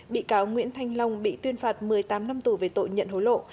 bị cáo nguyễn thanh long bị tuyên phạt một mươi tám năm tù về tội nhận hối lộ